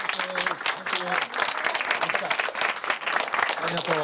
ありがとう。